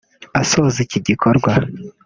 Asoza iki gikorwa